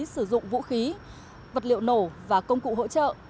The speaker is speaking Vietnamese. sử dụng vũ khí vật liệu nổ và công cụ hỗ trợ